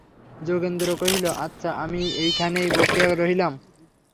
যোগেন্দ্র কহিল, আচ্ছা, আমি এইখানেই বসিয়া রহিলাম।